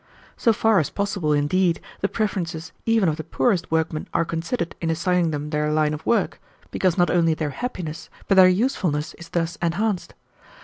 So far as possible, indeed, the preferences even of the poorest workmen are considered in assigning them their line of work, because not only their happiness but their usefulness is thus enhanced.